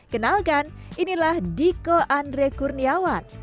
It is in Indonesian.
kenalkan inilah diko andre kurniawan